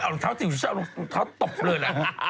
เอาเท้าถี่ตกเลยล่ะ